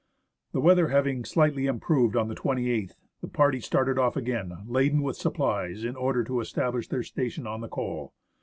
The weather having slightly improved on the 28th, the party started off again, laden with supplies, in order to establish their station on the col.